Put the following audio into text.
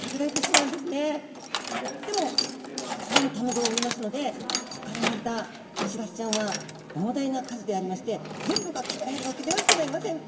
でもたくさんの卵を産みますのでそこから産まれたしらすちゃんは膨大な数でありまして全部が食べられるわけではギョざいません。